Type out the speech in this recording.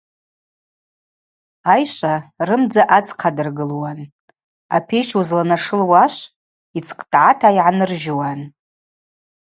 Айшва рымдза адзхъадыргылуан, апещ уызланашылуа ашв йдзхътӏгӏата йгӏанырыжьуан.